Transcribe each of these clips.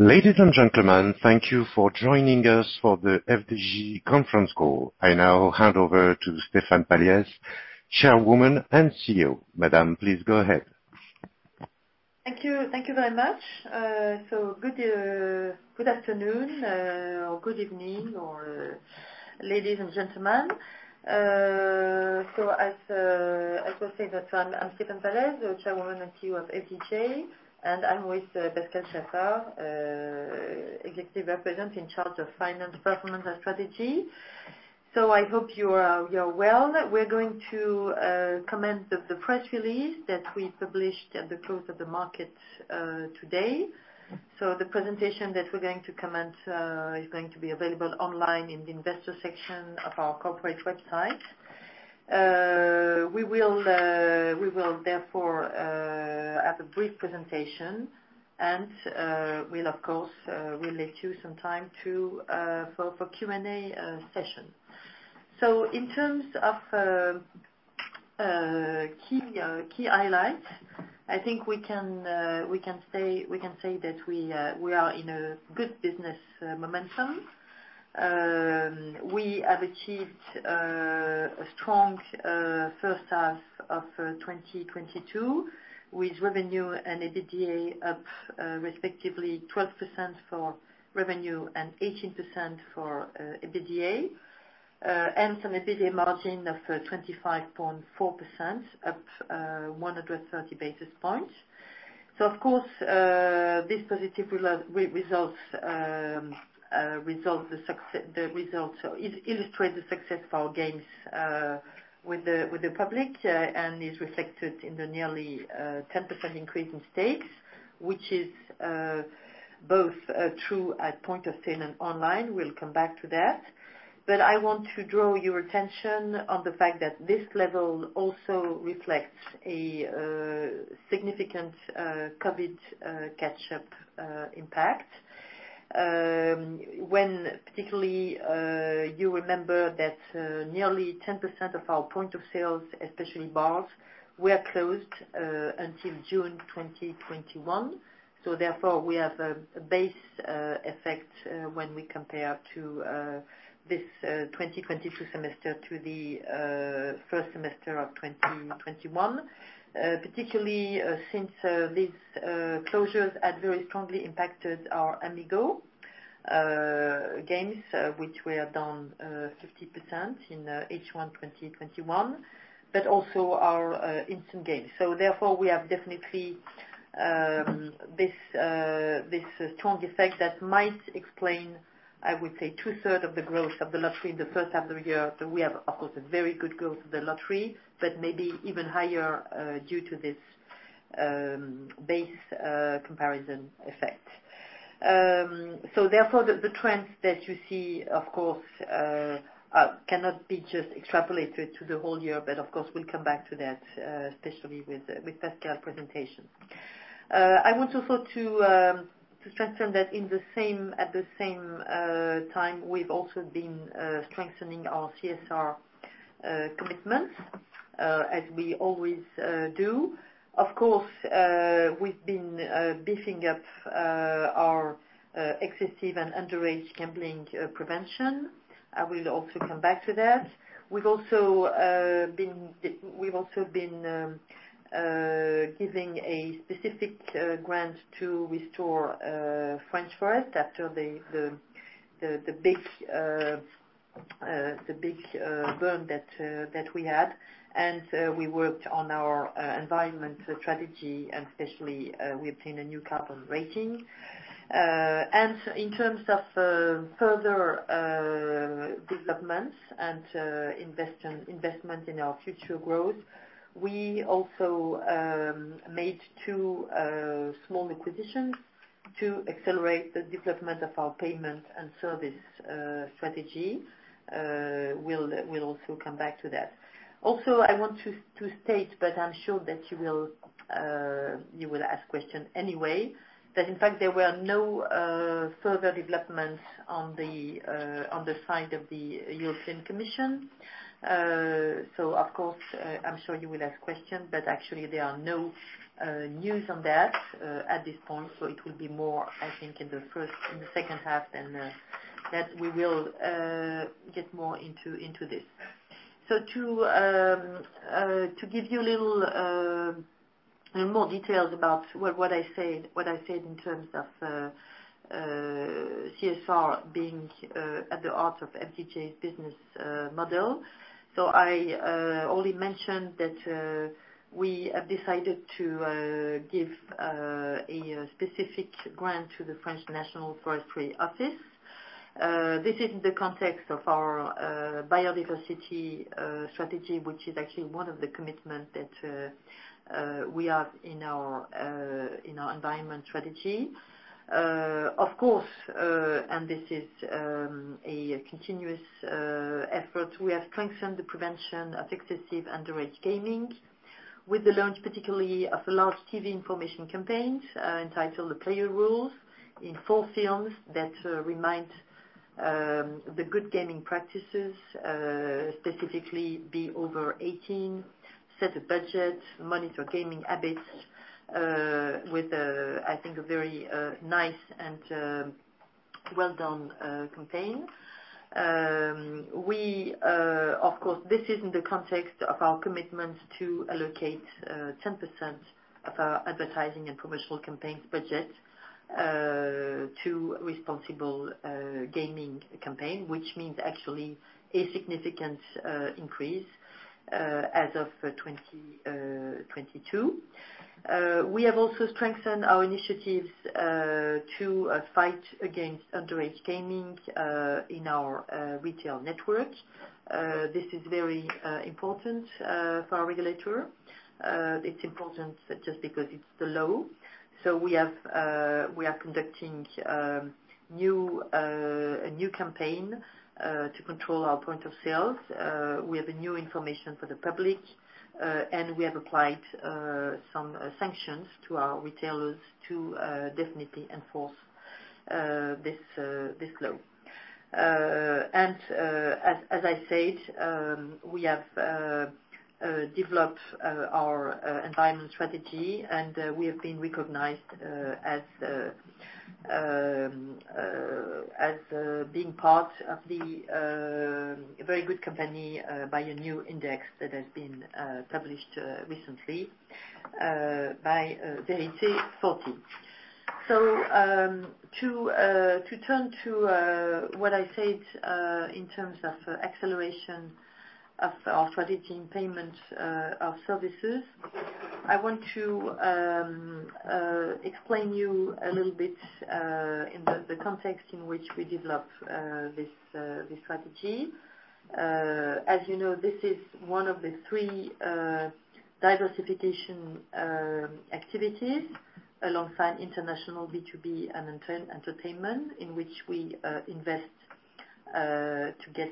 Ladies and gentlemen, thank you for joining us for the FDJ conference call. I now hand over to Stéphane Pallez, Chairwoman and CEO. Madam, please go ahead. Thank you. Thank you very much. Good afternoon or good evening, ladies and gentlemen. I should say that I'm Stéphane Pallez, the Chairwoman and CEO of FDJ, and I'm with Pascal Chaffard, Executive Representative in Charge of Finance, Performance, and Strategy. I hope you are well. We're going to commence the press release that we published at the close of the market today. The presentation that we're going to commence is going to be available online in the investor section of our corporate website. We will therefore have a brief presentation and we'll of course leave you some time for Q&A session. In terms of key highlights, I think we can say that we are in a good business momentum. We have achieved a strong first half of 2022 with revenue and EBITDA up respectively 12% for revenue and 18% for EBITDA. And an EBITDA margin of 25.4%, up 130 basis points. Of course, this positive results illustrate the success for our games with the public, and is reflected in the nearly 10% increase in stakes, which is both true at point of sale and online. We'll come back to that. I want to draw your attention on the fact that this level also reflects a significant COVID catch-up impact. When particularly you remember that nearly 10% of our point of sales, especially bars, were closed until June 2021. We have a base effect when we compare this 2022 semester to the first semester of 2021. Particularly since these closures had very strongly impacted our Amigo games, which were down 50% in H1 2021, but also our instant games. We have definitely this strong effect that might explain, I would say, two-thirds of the growth of the lottery in the first half of the year. We have, of course, a very good growth of the lottery, but maybe even higher due to this base comparison effect. Therefore, the trends that you see, of course, cannot be just extrapolated to the whole year. Of course, we'll come back to that, especially with Pascal presentation. I want also to strengthen that at the same time, we've also been strengthening our CSR commitments as we always do. Of course, we've been beefing up our excessive and underage gambling prevention. I will also come back to that. We've also been giving a specific grant to restore French forest after the big burn that we had. We worked on our environment strategy, and especially we obtained a new carbon rating. In terms of further developments and investment in our future growth, we also made two small acquisitions to accelerate the development of our payment and service strategy. We'll also come back to that. Also, I want to state, but I'm sure that you will ask questions anyway, that in fact there were no further developments on the side of the European Commission. Of course, I'm sure you will ask questions, but actually there are no news on that at this point. It will be more, I think, in the first, in the second half, and that we will get more into this. To give you a little more details about what I said in terms of CSR being at the heart of FDJ's business model. I only mentioned that we have decided to give a specific grant to the French National Forestry Office. This is the context of our biodiversity strategy, which is actually one of the commitments that we have in our environment strategy. Of course, this is a continuous effort. We have strengthened the prevention of excessive underage gaming with the launch, particularly of a large TV information campaign entitled The Player Rules. In four films that remind the good gaming practices, specifically be over eighteen, set a budget, monitor gaming habits, with a, I think, a very nice and well-done campaign. Of course, this is in the context of our commitment to allocate 10% of our advertising and promotional campaigns budget to responsible gaming campaign, which means actually a significant increase as of 2022. We have also strengthened our initiatives to fight against underage gaming in our retail network. This is very important for our regulator. It's important just because it's the law. We are conducting a new campaign to control our points of sale. We have a new information for the public, and we have applied some sanctions to our retailers to definitely enforce this law. As I said, we have developed our environmental strategy, and we have been recognized as being part of a very good company by a new index that has been published recently by [The IC 40]. To turn to what I said in terms of acceleration of our strategy in payment of services, I want to explain to you a little bit in the context in which we developed this strategy. As you know, this is one of the three diversification activities alongside international B2B and entertainment, in which we invest to get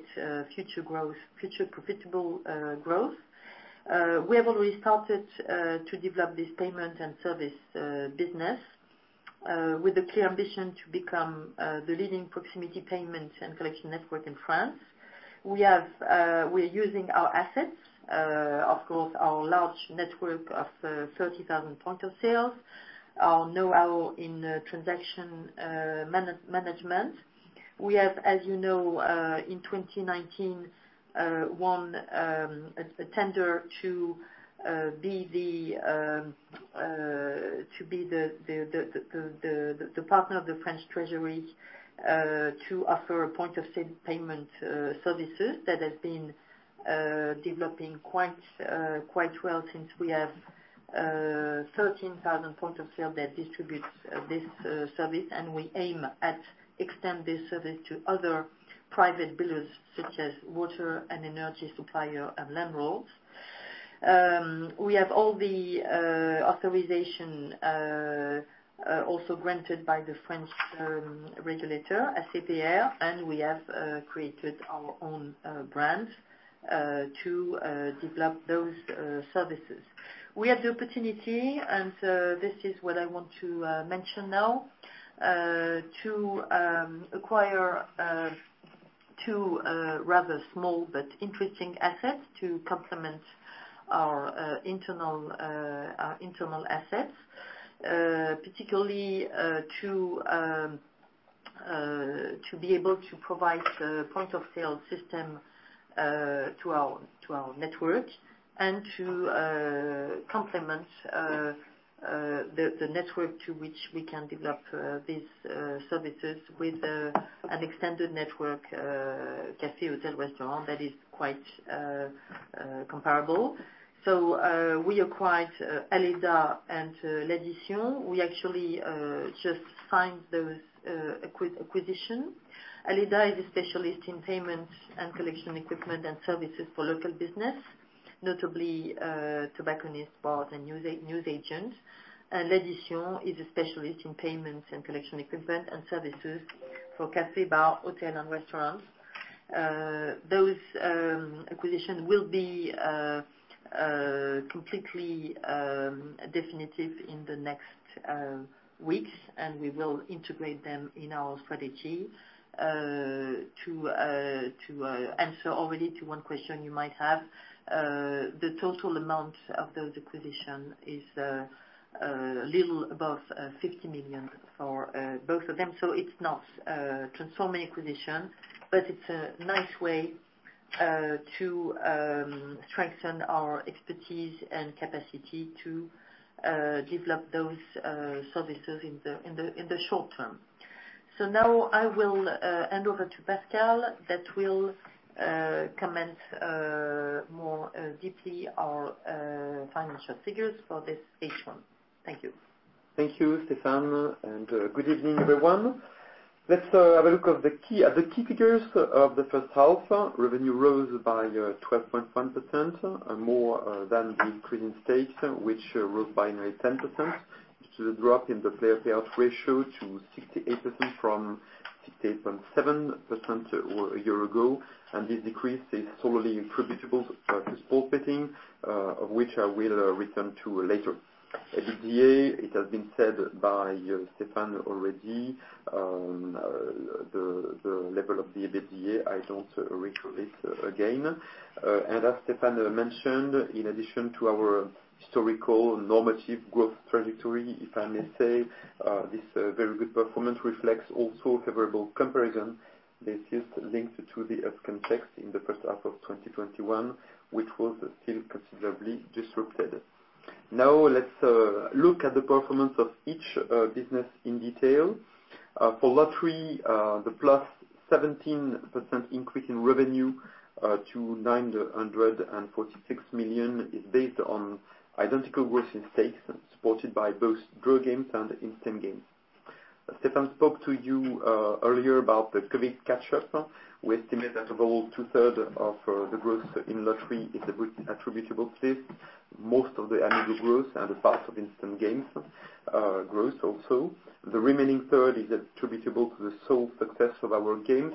future growth, future profitable growth. We have already started to develop this payment and service business with a clear ambition to become the leading proximity payment and collection network in France. We're using our assets, of course, our large network of 30,000 points of sale, our know-how in transaction management. We have, as you know, in 2019, won a tender to be the partner of the French Treasury to offer point-of-sale payment services that have been developing quite well since we have 13,000 points of sale that distribute this service. We aim to extend this service to other private billers, such as water and energy suppliers and landlords. We have all the authorization also granted by the French regulator, ACPR, and we have created our own brand to develop those services. We have the opportunity, and this is what I want to mention now, to acquire 2 rather small but interesting assets to complement our internal assets, particularly to be able to provide the point-of-sale system to our network and to complement the network to which we can develop these services with an extended network, cafe, hotel, restaurant that is quite comparable. We acquired Aleda and L'Addition. We actually just signed those acquisition. Aleda is a specialist in payments and collection equipment and services for local business, notably tobacconists, bars, and news agents. L'Addition is a specialist in payments and collection equipment and services for cafe, bar, hotel, and restaurants. Those acquisitions will be completely definitive in the next weeks, and we will integrate them in our strategy. To answer already to one question you might have, the total amount of those acquisitions is a little above 50 million for both of them. It's not a transforming acquisition, but it's a nice way to strengthen our expertise and capacity to develop those services in the short term. Now I will hand over to Pascal, that will comment more deeply our financial figures for this H1. Thank you. Thank you, Stéphane, and good evening, everyone. Let's have a look at the key figures of the first half. Revenue rose by 12.1%, more than the increase in stakes, which rose by 9%-10%, which is a drop in the player payout ratio to 68% from 68.7% a year ago, and this decrease is solely attributable to sports betting, which I will return to later. EBITDA, it has been said by Stéphane already. The level of the EBITDA, I don't repeat again. As Stéphane mentioned, in addition to our historical normative growth trajectory, if I may say, this very good performance reflects also favorable comparison that is linked to the COVID context in the first half of 2021, which was still considerably disrupted. Now, let's look at the performance of each business in detail. For lottery, the +17% increase in revenue to 946 million is based on identical growth in stakes supported by both draw games and instant games. Stéphane spoke to you earlier about the COVID catch-up. We estimate that overall two-thirds of the growth in lottery is attributable to this. Most of the annual growth and a part of instant games growth also. The remaining third is attributable to the sole success of our games,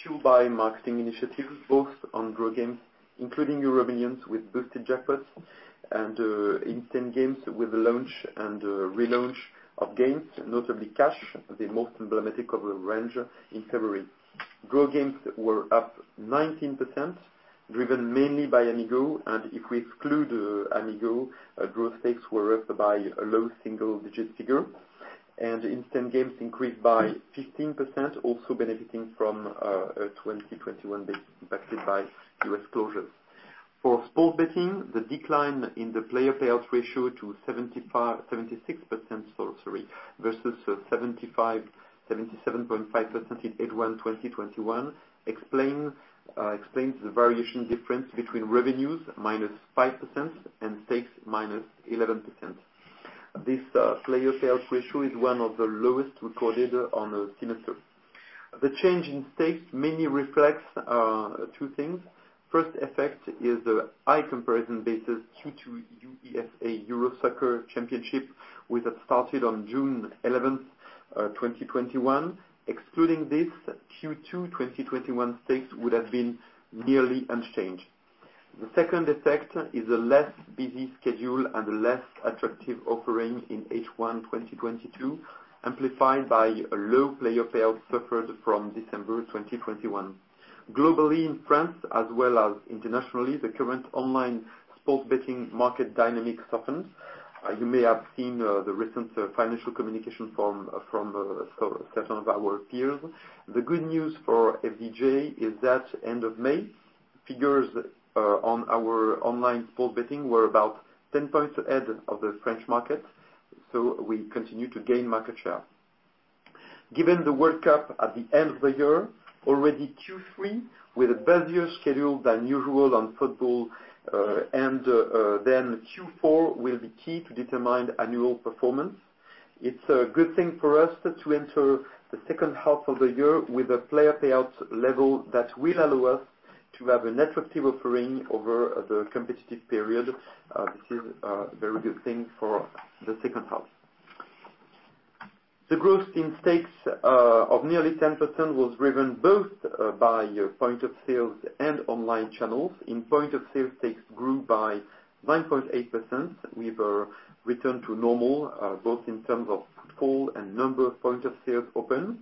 fueled by marketing initiatives, both on draw games, including Euromillions with boosted jackpots, and instant games with the launch and relaunch of games, notably Cash, the most emblematic of the range in February. Draw games were up 19%, driven mainly by Amigo. If we exclude Amigo, gross stakes were up by a low single-digit figure. Instant games increased by 15%, also benefiting from a 2021 base impacted by store closures. For sports betting, the decline in the player payout ratio to 76%, sorry, versus 77.5% in H1 2021 explains the variation difference between revenues -5% and stakes -11%. This player payout ratio is one of the lowest recorded on the semester. The change in stakes mainly reflects two things. First effect is the high comparison basis Q2 UEFA Euro soccer championship, which had started on June 11, 2021. Excluding this, Q2 2021 stakes would have been nearly unchanged. The second effect is a less busy schedule and a less attractive offering in H1 2022, amplified by a low player payout suffered from December 2021. Globally in France as well as internationally, the current online sports betting market dynamics softened. You may have seen the recent financial communication from some certain of our peers. The good news for FDJ is that end-of-May figures on our online sports betting were about 10 points ahead of the French market. We continue to gain market share. Given the World Cup at the end of the year, already Q3 with a busier schedule than usual on football, and then Q4 will be key to determine annual performance. It's a good thing for us to enter the second half of the year with a player payout level that will allow us to have an attractive offering over the competitive period. This is a very good thing for the second half. The growth in stakes of nearly 10% was driven both by points of sale and online channels. In points of sale, stakes grew by 9.8%. We've returned to normal, both in terms of football and number of points of sale open.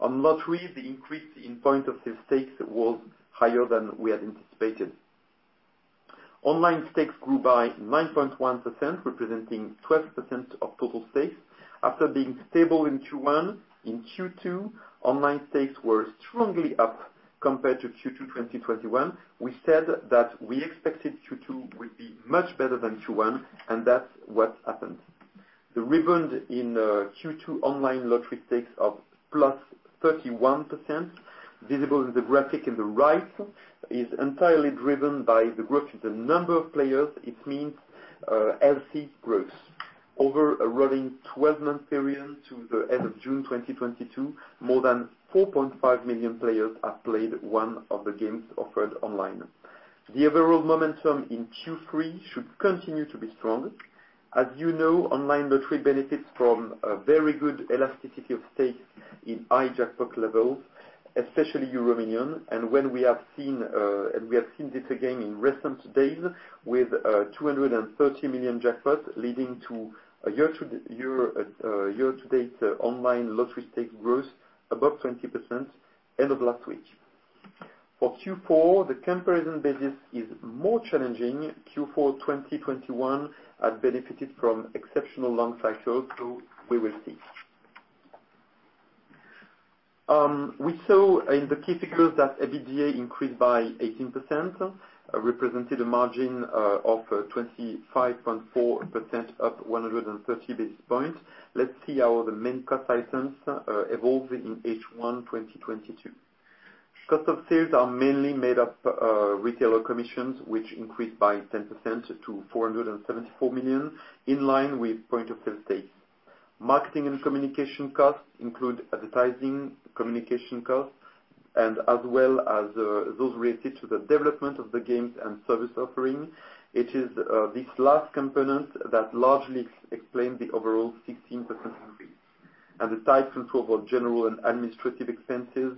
On lottery, the increase in points of sale stakes was higher than we had anticipated. Online stakes grew by 9.1%, representing 12% of total stakes. After being stable in Q1, in Q2, online stakes were strongly up compared to Q2 2021. We said that we expected Q2 would be much better than Q1, and that's what happened. The rebound in Q2 online lottery stakes of +31%, visible in the graphic on the right, is entirely driven by the growth in the number of players. It means LFL growth. Over a running twelve-month period to the end of June 2022, more than 4.5 million players have played one of the games offered online. The overall momentum in Q3 should continue to be strong. As you know, online lottery benefits from a very good elasticity of stakes in high jackpot levels, especially Euromillions. When we have seen this again in recent days with 230 million jackpots leading to a year-to-date online lottery stake growth above 20% end of last week. For Q4, the comparison basis is more challenging. Q4 2021 had benefited from exceptional long cycles, we will see. We saw in the key figures that EBITDA increased by 18%, represented a margin of 25.4% up 130 basis points. Let's see how the main cost items evolved in H1 2022. Cost of sales are mainly made up retailer commissions, which increased by 10% to 474 million in line with point of sale stakes. Marketing and communication costs include advertising, communication costs. As well as those related to the development of the games and service offering. It is this last component that largely explains the overall 16% increase. The tight control of our general and administrative expenses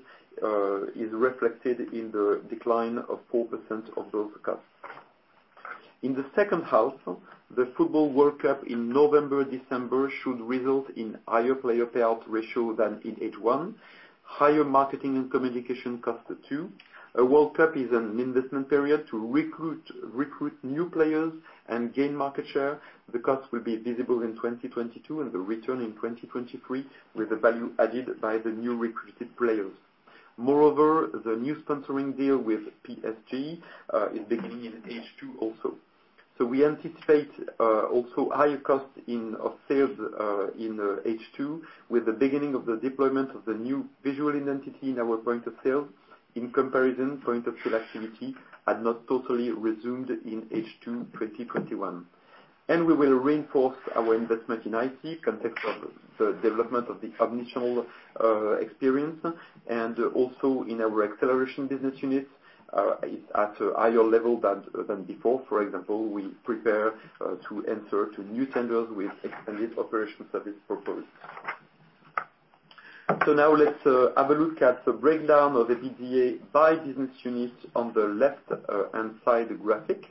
is reflected in the decline of 4% of those costs. In the second half, the football World Cup in November, December should result in higher player payout ratio than in H1. Higher marketing and communication costs too. A World Cup is an investment period to recruit new players and gain market share. The cost will be visible in 2022 and the return in 2023 with the value added by the new recruited players. Moreover, the new sponsoring deal with PSG is beginning in H2 also. We anticipate also higher costs in cost of sales in H2 with the beginning of the deployment of the new visual identity in our point of sale. In comparison, point of sale activity had not totally resumed in H2 2021. We will reinforce our investment in IT context of the development of the omnichannel experience, and also in our acceleration business units at a higher level than before. For example, we prepare to enter to new tenders with expanded operations service proposed. Now let's have a look at the breakdown of EBITDA by business unit on the left hand side graphic.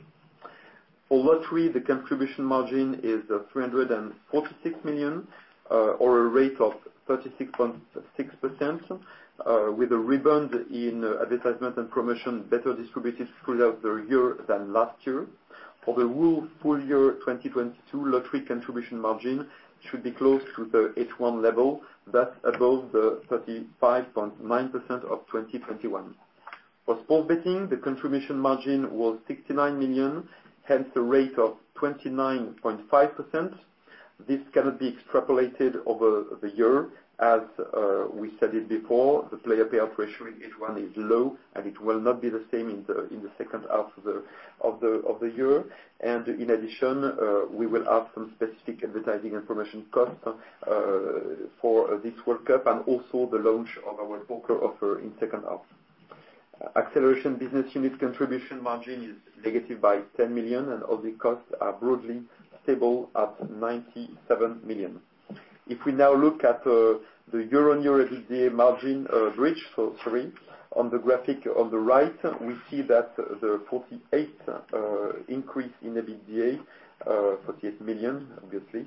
For Lottery, the contribution margin is 346 million, or a rate of 36.6%, with a rebound in advertisement and promotion better distributed throughout the year than last year. For the whole full year 2022, lottery contribution margin should be close to the H1 level, that's above the 35.9% of 2021. For Sports Betting, the contribution margin was 69 million, hence a rate of 29.5%. This cannot be extrapolated over the year. As we said it before, the player payout ratio in H1 is low, and it will not be the same in the second half of the year. In addition, we will have some specific advertising information costs for this World Cup and also the launch of our poker offer in second half. Acceleration business unit contribution margin is negative by 10 million, and all the costs are broadly stable at 97 million. If we now look at the year-on-year EBITDA margin bridge. On the graphic on the right, we see that the 48 increase in EBITDA, 48 million, obviously,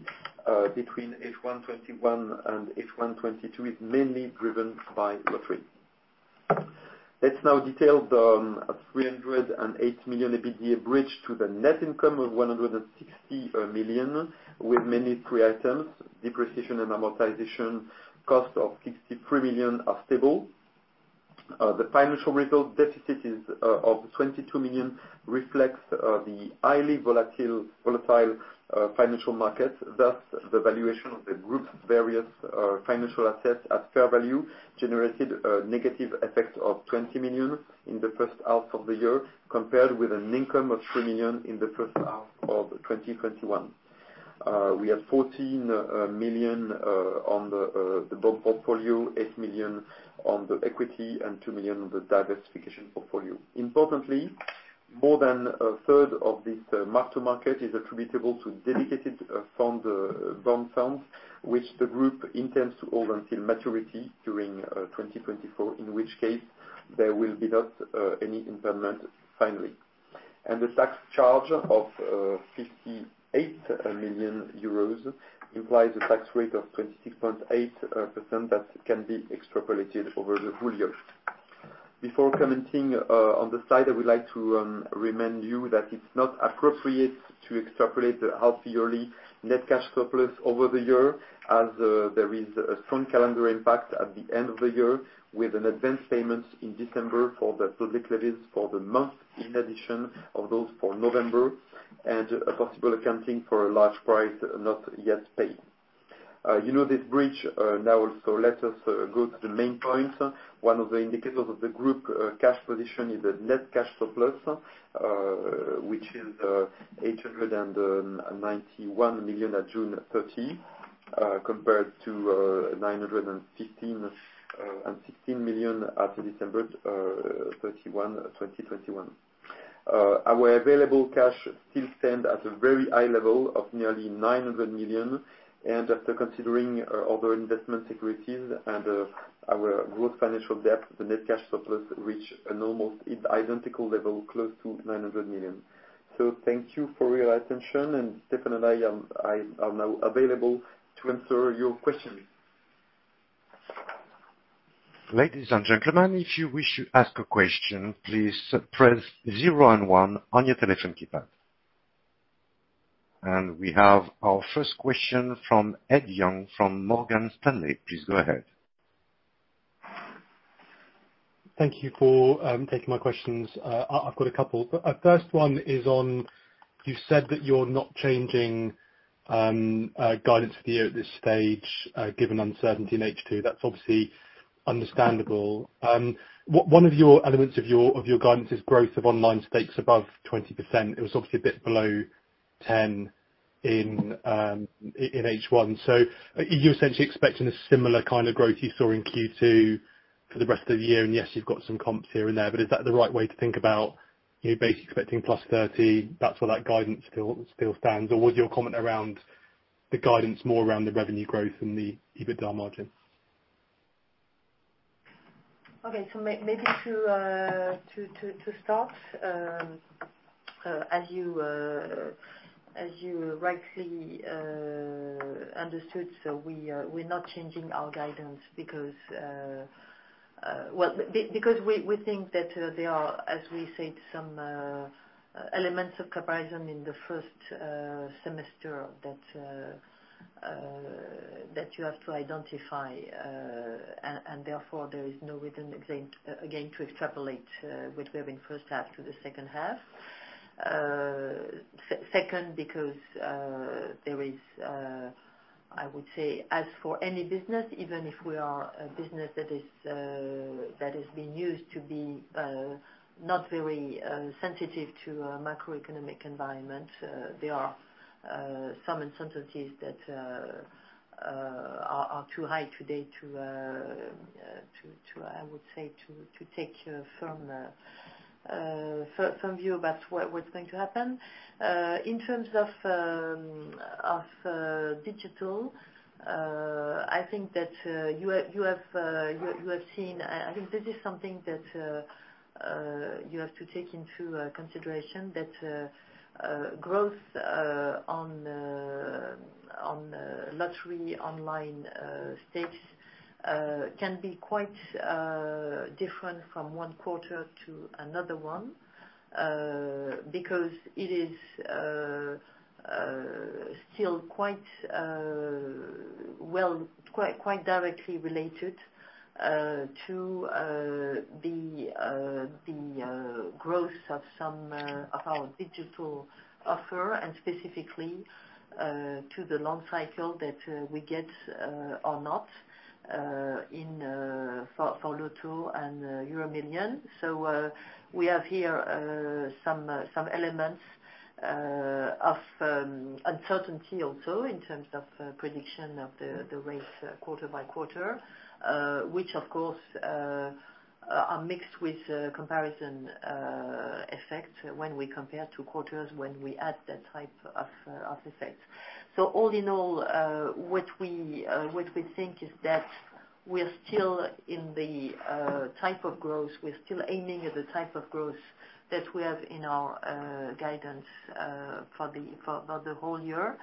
between H1 2021 and H1 2022 is mainly driven by lottery. Let's now detail the 308 million EBITDA bridge to the net income of 160 million, with main pre-items: depreciation and amortization, costs of 63 million are stable. The financial result deficit of 22 million reflects the highly volatile financial market. Thus, the valuation of the group's various financial assets at fair value generated a negative effect of 20 million in the first half of the year, compared with an income of 3 million in the first half of 2021. We have 14 million on the bond portfolio, 8 million on the equity, and 2 million on the diversification portfolio. Importantly, more than a third of this mark-to-market is attributable to dedicated fund bond funds, which the group intends to hold until maturity during 2024, in which case there will be not any impairment finally. The tax charge of 58 million euros implies a tax rate of 26.8% that can be extrapolated over the full year. Before commenting on the side, I would like to remind you that it's not appropriate to extrapolate the half yearly net cash surplus over the year as there is a strong calendar impact at the end of the year with an advanced payment in December for the public levies for the month in addition of those for November and a possible accounting for a large prize not yet paid. You know this bridge. Now also let us go to the main point. One of the indicators of the group cash position is the net cash surplus, which is 891 million at June 30, compared to 916 million at December 31, 2021. Our available cash still stand at a very high level of nearly 900 million, and after considering our other investment securities and our gross financial debt, the net cash surplus reach an almost identical level close to 900 million. Thank you for your attention, and Stéphane and I am now available to answer your questions. Ladies and gentlemen, if you wish to ask a question, please press zero and one on your telephone keypad. We have our first question from Ed Young, from Morgan Stanley. Please go ahead. Thank you for taking my questions. I've got a couple. First one is on, you said that you're not changing guidance for the year at this stage, given uncertainty in H2. That's obviously understandable. One of your elements of your guidance is growth of online stakes above 20%. It was obviously a bit below 10% in H1. Are you essentially expecting a similar kind of growth you saw in Q2 for the rest of the year? Yes, you've got some comps here and there, but is that the right way to think about, you're basically expecting +30%, that's where that guidance still stands? Was your comment around the guidance more around the revenue growth than the EBITDA margin? Maybe to start, as you rightly understood, we're not changing our guidance because, well, because we think that there are, as we said, some elements of comparison in the first semester that you have to identify. And therefore, there is no reason again to extrapolate what we have in first half to the second half. Second, because there is, I would say, as for any business, even if we are a business that is used to being not very sensitive to a macroeconomic environment, there are some uncertainties that are too high today to, I would say, to take a firm view about what's going to happen. In terms of digital, I think that you have seen. I think this is something that you have to take into consideration, that growth on online lottery stakes can be quite different from one quarter to another one, because it is still quite well quite directly related to the growth of some of our digital offer and specifically to the long cycle that we get or not in for Loto and Euromillions. We have here some elements of uncertainty also in terms of prediction of the rates quarter by quarter, which of course are mixed with comparison effect when we compare two quarters when we add that type of effect. All in all, what we think is that we're still in the type of growth. We're still aiming at the type of growth that we have in our guidance for the whole year.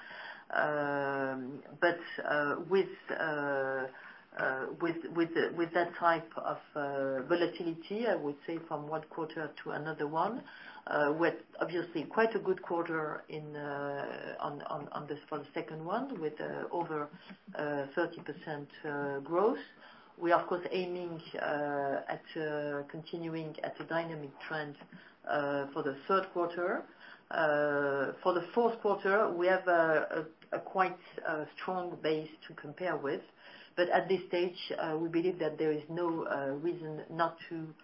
With that type of volatility, I would say from one quarter to another one with obviously quite a good quarter in on this for the second one with over 30% growth. We are of course aiming at continuing at a dynamic trend for the third quarter. For the fourth quarter, we have a quite strong base to compare with. At this stage, we believe that there is no reason not to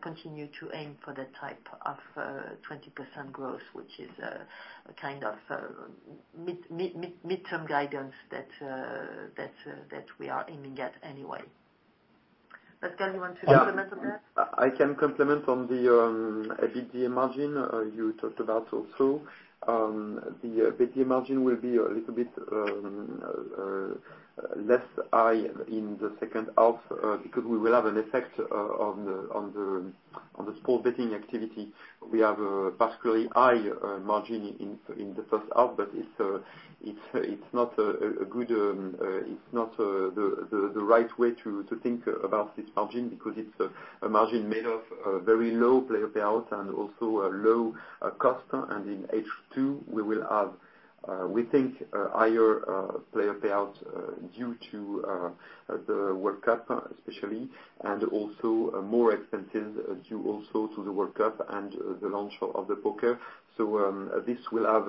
continue to aim for that type of 20% growth, which is a kind of midterm guidance that we are aiming at anyway. Pascal, you want to comment on that? Yeah. I can comment on the EBITDA margin you talked about also. The EBITDA margin will be a little bit less high in the second half because we will have an effect on the sports betting activity. We have a particularly high margin in the first half, but it's not a good way to think about this margin because it's a margin made of a very low player payout and also a low cost. In H2, we will have, we think, higher player payouts due to the World Cup especially, and also more expenses due also to the World Cup and the launch of the poker. This will have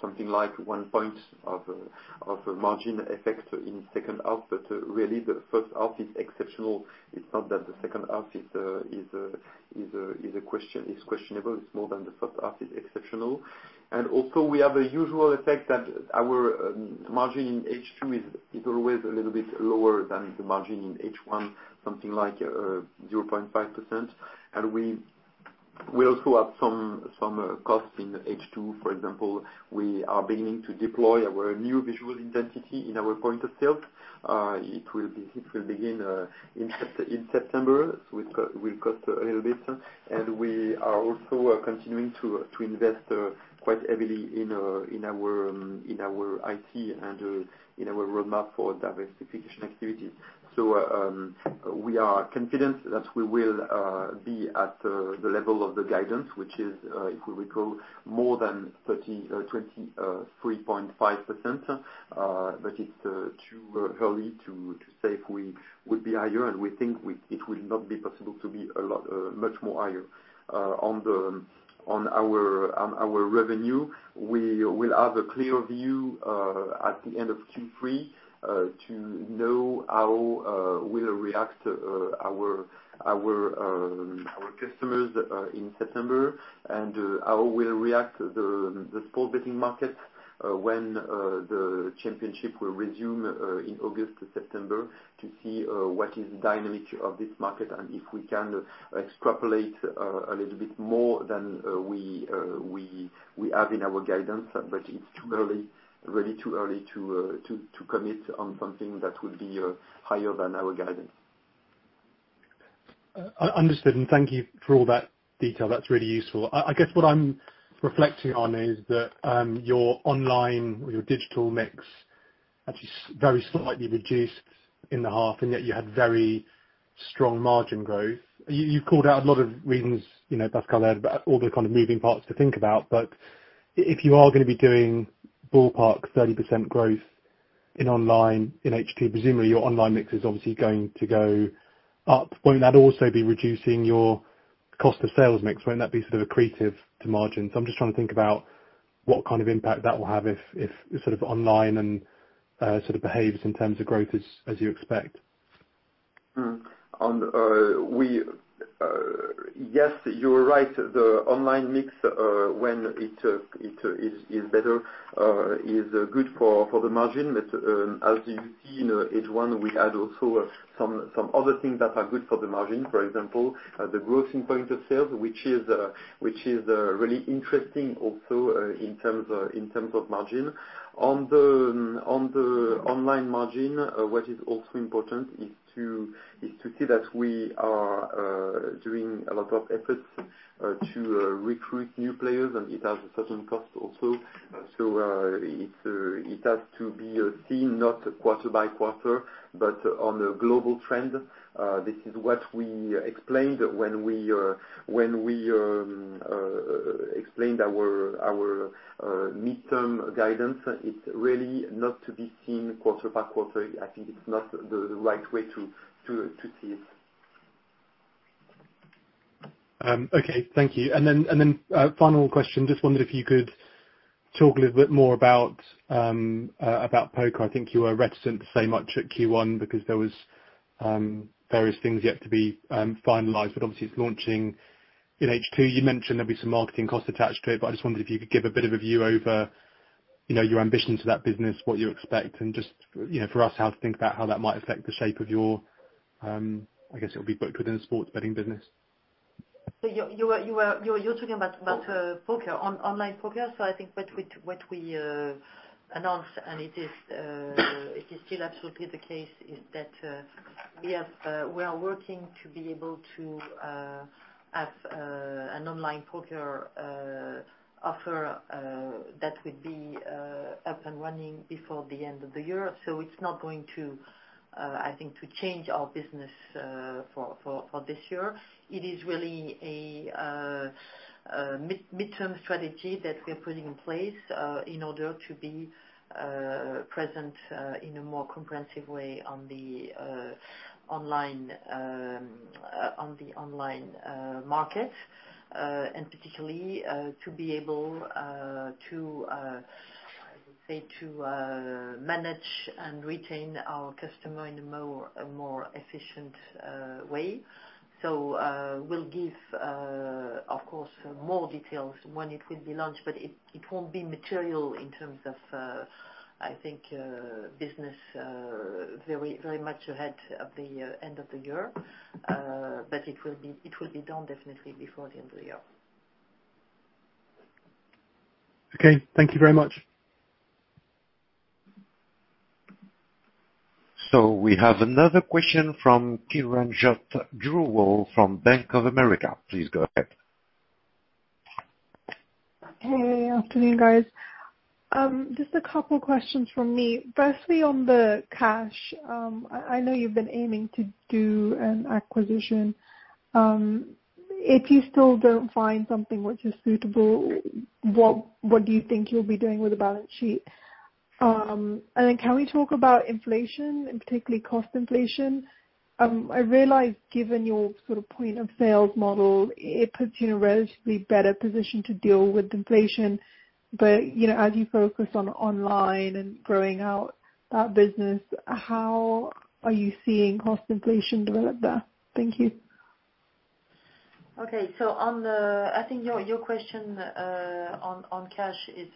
something like 1% margin effect in second half, but really the first half is exceptional. It's not that the second half is questionable. It's more that the first half is exceptional. We have a usual effect that our margin in H2 is always a little bit lower than the margin in H1, something like 0.5%. We also have some costs in H2. For example, we are beginning to deploy our new visual identity in our point of sale. It will begin in September, so it will cost a little bit. We are also continuing to invest quite heavily in our IT and in our roadmap for diversification activities. We are confident that we will be at the level of the guidance, which is, if we recall, more than 23.5%. But it's too early to say if we would be higher, and we think it will not be possible to be much higher. On our revenue, we will have a clear view at the end of Q3 to know how will react our customers in September and how will react the sports betting market when the championship will resume in August to September to see what is the dynamic of this market and if we can extrapolate a little bit more than we have in our guidance. It's too early, really too early to commit on something that would be higher than our guidance. Understood, and thank you for all that detail. That's really useful. I guess what I'm reflecting on is that your online or your digital mix actually very slightly reduced in the half, and yet you had very strong margin growth. You called out a lot of reasons, you know, Pascal, about all the kind of moving parts to think about, but if you are gonna be doing ballpark 30% growth in online in H2, presumably your online mix is obviously going to go up. Won't that also be reducing your cost of sales mix? Won't that be sort of accretive to margin? I'm just trying to think about what kind of impact that will have if sort of online and sort of behaves in terms of growth as you expect. Yes, you are right. The online mix, when it is better, is good for the margin. As you see in H1, we had also some other things that are good for the margin. For example, the growth in points of sale, which is really interesting also, in terms of margin. On the online margin, what is also important is to see that we are doing a lot of efforts to recruit new players, and it has a certain cost also. It has to be seen not quarter by quarter, but on a global trend. This is what we explained when we explained our midterm guidance. It's really not to be seen quarter by quarter. I think it's not the right way to see it. Okay. Thank you. Final question. Just wondered if you could talk a little bit more about poker. I think you were reticent to say much at Q1 because there was various things yet to be finalized, but obviously it's launching in H2. You mentioned there'll be some marketing costs attached to it, but I just wondered if you could give a bit of a view over, you know, your ambition to that business, what you expect and just, you know, for us, how to think about how that might affect the shape of your, I guess it'll be booked within the sports betting business. You're talking about online poker. I think what we announced, and it is still absolutely the case, is that we are working to be able to have an online poker offer that would be up and running before the end of the year. It's not going to, I think, change our business for this year. It is really a midterm strategy that we're putting in place in order to be present in a more comprehensive way on the online market. Particularly to be able to, I would say, manage and retain our customer in a more efficient way. We'll give, of course, more details when it will be launched, but it won't be material in terms of, I think, business very much ahead of the end of the year. It will be done definitely before the end of the year. Okay. Thank you very much. We have another question from Kiranjot Dhillon from Bank of America. Please go ahead. Hey. Afternoon, guys. Just a couple questions from me. Firstly, on the cash, I know you've been aiming to do an acquisition. If you still don't find something which is suitable, what do you think you'll be doing with the balance sheet? Can we talk about inflation, and particularly cost inflation? I realize given your sort of point-of-sale model, it puts you in a relatively better position to deal with inflation. You know, as you focus on online and growing out that business, how are you seeing cost inflation develop there? Thank you. I think your question on cash is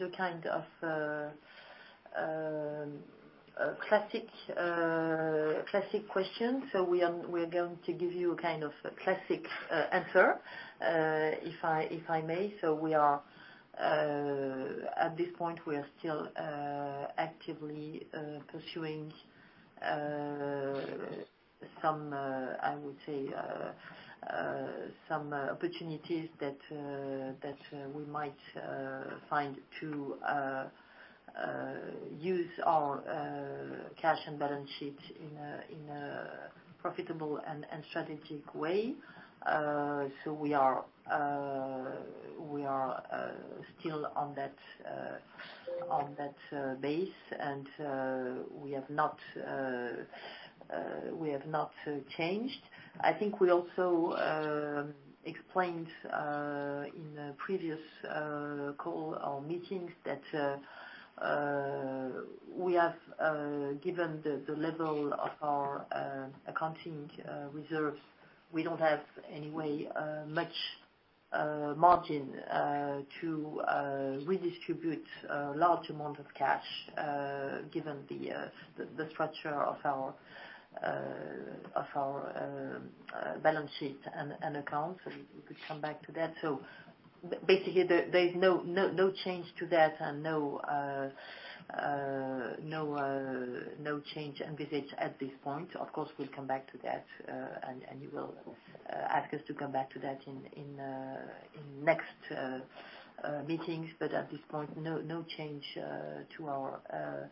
a kind of a classic question, so we're going to give you kind of a classic answer, if I may. We are at this point still actively pursuing some opportunities that we might find to use our cash and balance sheet in a profitable and strategic way. We are still on that base. We have not changed. I think we also explained in a previous call or meetings that, given the level of our accounting reserves, we don't have much margin to redistribute a large amount of cash, given the structure of our balance sheet and accounts. We could come back to that. Basically, there's no change to that and no change envisaged at this point. Of course, we'll come back to that, and you will ask us to come back to that in next meetings. At this point, no change to our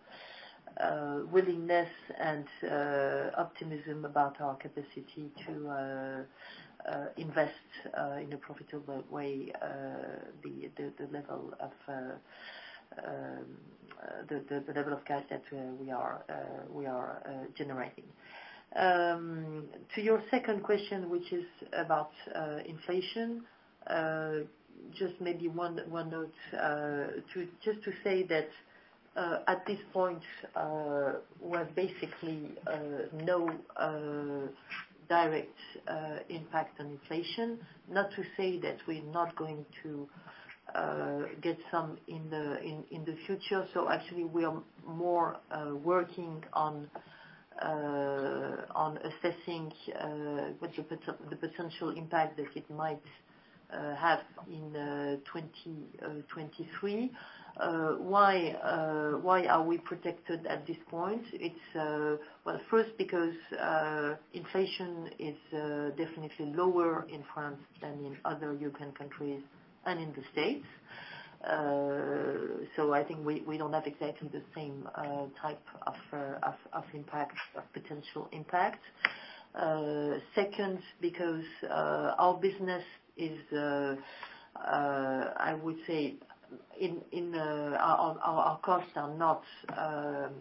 willingness and optimism about our capacity to invest in a profitable way the level of cash that we are generating. To your second question, which is about inflation, just maybe one note. Just to say that at this point, we've basically no direct impact on inflation. Not to say that we're not going to get some in the future. Actually we are more working on assessing what the potential impact that it might have in 2023. Why are we protected at this point? It's Well, first because inflation is definitely lower in France than in other European countries and in the States. I think we don't have exactly the same type of potential impact. Second, because our business is, I would say our costs are not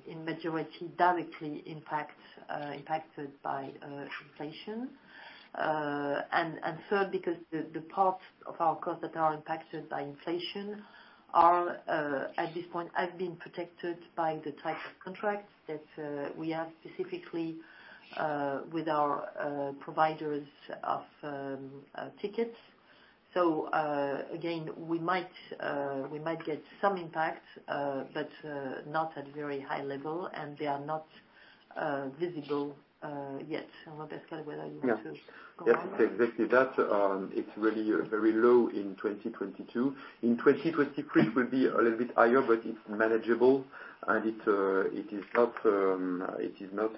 in majority directly impacted by inflation. Third, because the parts of our costs that are impacted by inflation are, at this point, have been protected by the type of contracts that we have specifically with our providers of tickets. Again, we might get some impact, but not at very high level, and they are not visible yet. I don't know, Pascal, whether you want to comment. Yes. Yes, exactly that. It's really very low in 2022. In 2023 it will be a little bit higher, but it's manageable and it is not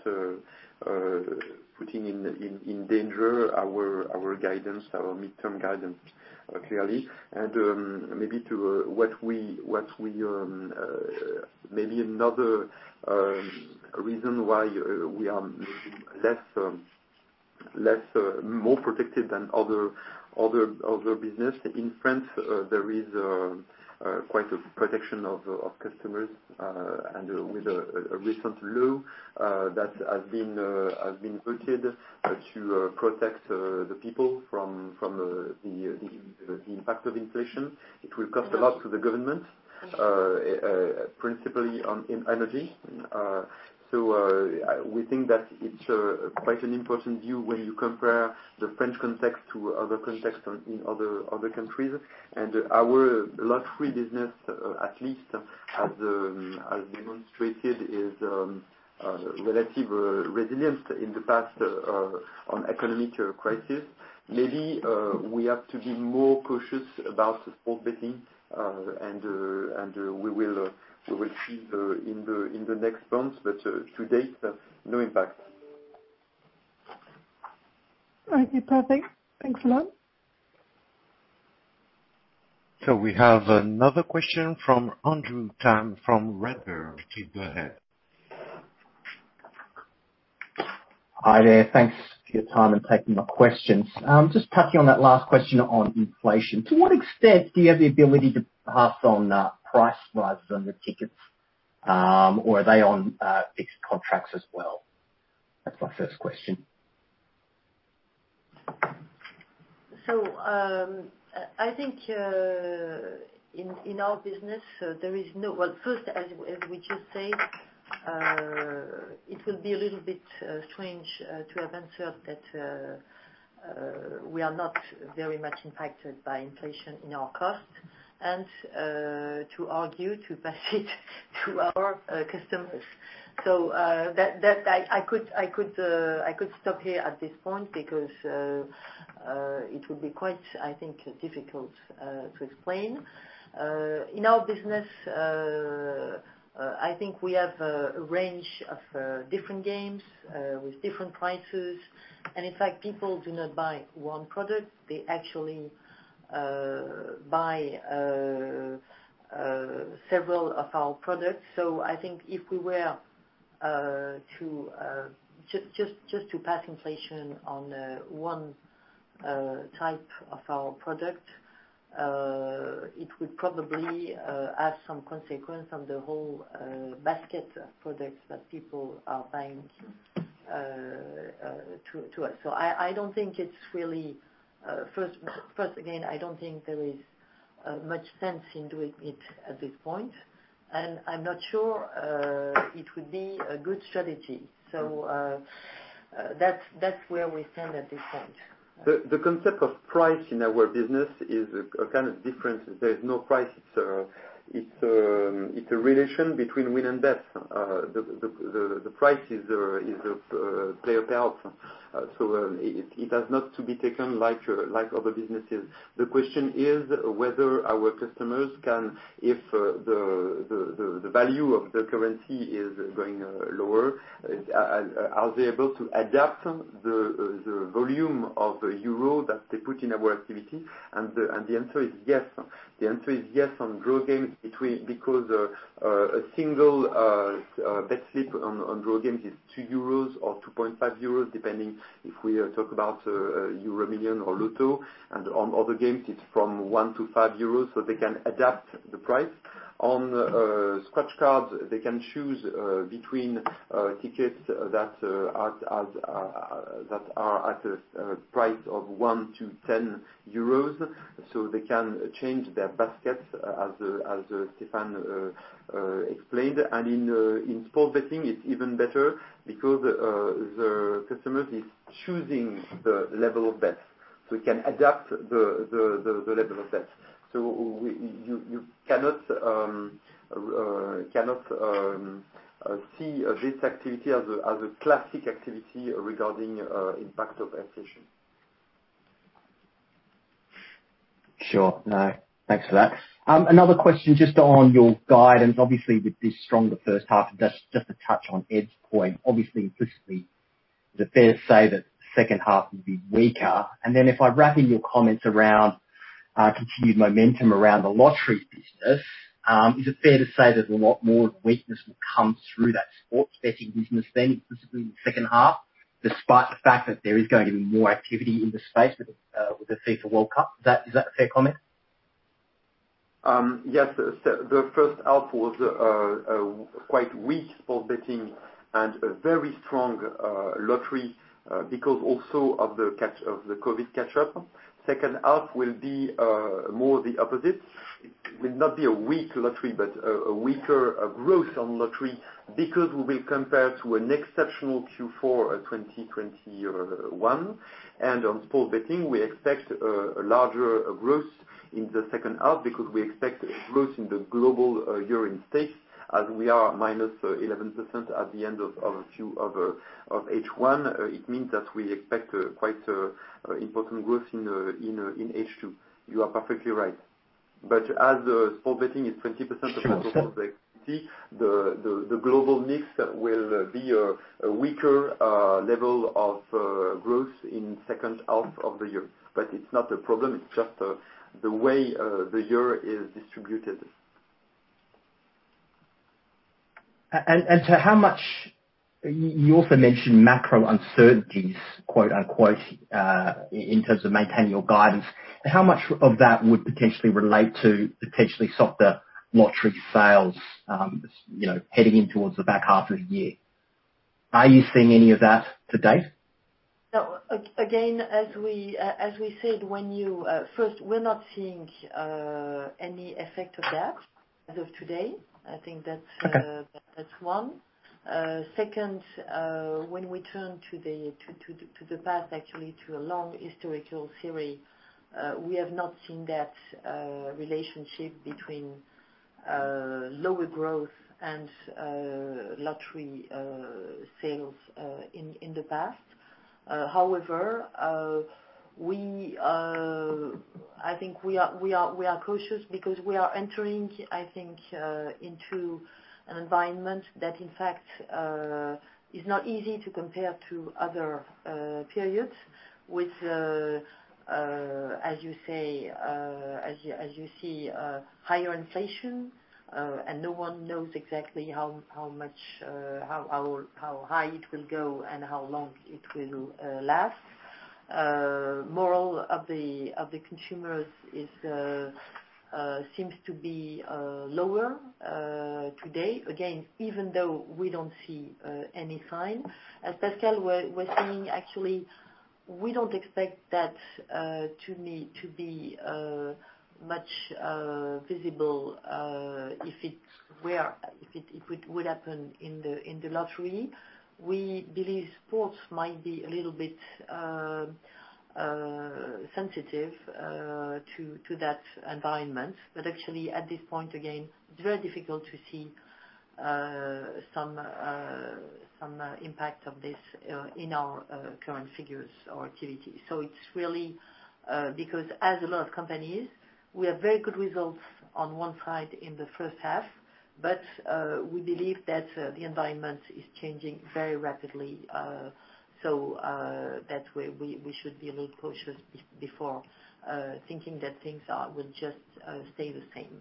putting in danger our guidance, our midterm guidance, clearly. Maybe another reason why we are more protected than other business. In France, there is quite a protection of customers, and with a recent law that has been voted to protect the people from the impact of inflation. It will cost a lot to the government. Yes. Principally on energy. We think that it's quite an important view when you compare the French context to other context in other countries. Our lottery business, at least, has demonstrated its relative resilience in the past in economic crisis. Maybe we have to be more cautious about the sports betting and we will see in the next months. To date, no impact. Okay. Perfect. Thanks a lot. We have another question from Andrew Tam from Redburn. Please go ahead. Hi there. Thanks for your time and taking my questions. Just touching on that last question on inflation. To what extent do you have the ability to pass on, price rises on the tickets, or are they on, fixed contracts as well? That's my first question. I think in our business there is no. Well, first, as we just said, it will be a little bit strange to have answered that we are not very much impacted by inflation in our costs, and to argue to pass it to our customers. That I could stop here at this point because it would be quite, I think, difficult to explain. In our business, I think we have a range of different games with different prices, and in fact, people do not buy one product, they actually buy several of our products. I think if we were to just pass inflation on one type of our product, it would probably have some consequence on the whole basket of products that people are buying from us. I don't think it's really first again. I don't think there is much sense in doing it at this point, and I'm not sure it would be a good strategy. That's where we stand at this point. The concept of price in our business is a kind of different. There's no price. It's a relation between win and loss. The price is the prize payouts. So it has not to be taken like other businesses. The question is whether our customers can. If the value of the currency is going lower, are they able to adapt the volume of euro that they put in our activity? The answer is yes. The answer is yes on draw games because a single bet slip on draw games is 2 euros or 2.5 euros, depending if we talk about Euromillions or Loto. On other games, it's from 1-5 euros, so they can adapt the price. On scratch cards, they can choose between tickets that are at a price of 1-10 euros, so they can change their basket as Stéphane explained. In sports betting, it's even better because the customers is choosing the level of bets. So we can adapt the level of bets. So you cannot see this activity as a classic activity regarding impact of inflation. Sure. No, thanks for that. Another question just on your guidance, obviously, with this stronger first half, just to touch on Ed's point. Obviously, implicitly, is it fair to say that second half will be weaker? And then if I wrap in your comments around continued momentum around the lottery business, is it fair to say that a lot more weakness will come through that sports betting business then, specifically in the second half, despite the fact that there is going to be more activity in the space with the FIFA World Cup? Is that a fair comment? Yes. The first half was quite weak sports betting and a very strong lottery, because also of the COVID catch-up. Second half will be more the opposite. It will not be a weak lottery, but a weaker growth on lottery because we will compare to an exceptional Q4, 2021. And on sports betting, we expect a larger growth in the second half because we expect growth in the global European stakes as we are -11% at the end of H1. It means that we expect quite important growth in H2. You are perfectly right. But as sports betting is 20%- Sure. Of total activity, the global mix will be a weaker level of growth in second half of the year. It's not a problem, it's just the way the year is distributed. You also mentioned macro uncertainties, quote-unquote, in terms of maintaining your guidance. How much of that would potentially relate to potentially softer lottery sales, you know, heading in towards the back half of the year? Are you seeing any of that to date? No. Again, as we said, first, we're not seeing any effect of that as of today. I think that's. Okay. That's one. Second, when we turn to the past, actually to a long historical series, we have not seen that relationship between lower growth and lottery sales in the past. However, I think we are cautious because we are entering, I think, into an environment that in fact is not easy to compare to other periods with, as you say, as you see, higher inflation. No one knows exactly how high it will go and how long it will last. Moral of the consumers seems to be lower today. Again, even though we don't see any sign. As Pascal was saying, actually, we don't expect that to be much visible if it would happen in the lottery. We believe sports might be a little bit sensitive to that environment. Actually, at this point, again, it's very difficult to see some impact of this in our current figures or activity. It's really because as a lot of companies, we have very good results on one side in the first half. We believe that the environment is changing very rapidly. That's where we should be a little cautious before thinking that things will just stay the same.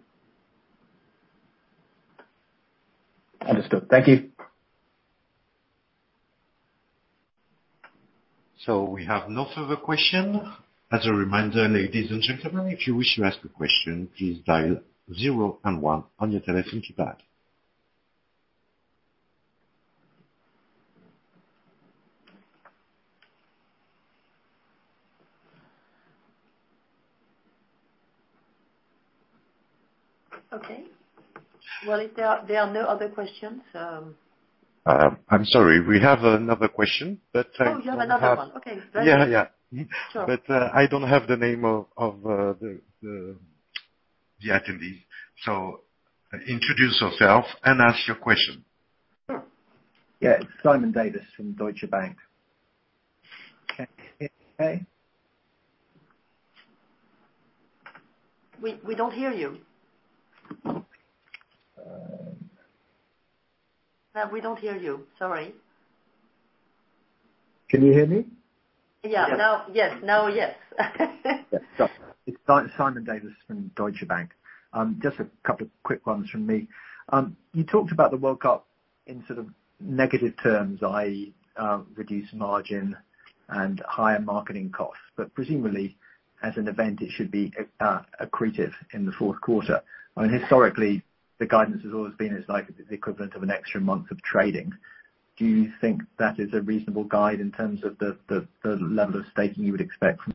Understood. Thank you. We have no further question. As a reminder, ladies and gentlemen, if you wish to ask a question, please dial zero and one on your telephone keypad. Okay. Well, if there are no other questions. I'm sorry. We have another question that. Oh, you have another one. Okay. Yeah. Yeah. Sure. I don't have the name of the attendee. Introduce yourself and ask your question. Sure. Yeah. It's Simon Davies from Deutsche Bank. Can you hear me okay? We don't hear you. Um. No, we don't hear you. Sorry. Can you hear me? Yeah. Yes. Now, yes. Now, yes. Yeah. It's Simon Davies from Deutsche Bank. Just a couple quick ones from me. You talked about the World Cup in sort of negative terms, i.e., reduced margin and higher marketing costs. Presumably, as an event, it should be accretive in the fourth quarter. I mean, historically, the guidance has always been, it's like the equivalent of an extra month of trading. Do you think that is a reasonable guide in terms of the level of staking you would expect from-